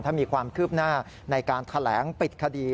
ถ้ามีความคืบหน้าในการแถลงปิดคดี